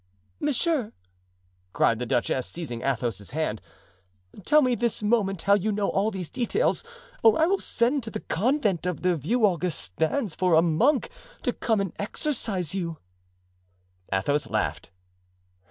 "Monsieur!" cried the duchess, seizing Athos's hands, "tell me this moment how you know all these details, or I will send to the convent of the Vieux Augustins for a monk to come and exorcise you." Athos laughed.